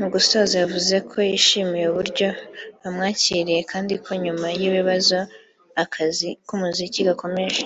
Mu gusoza yavuze ko yishimiye uburyo bamwakiriye kandi ko nyuma y’ibibazo akazi k’umuziki gakomeje